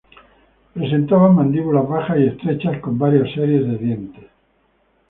Presentaban mandíbulas bajas y estrechas con varias series de dientes.